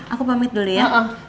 aku pamit dulu ya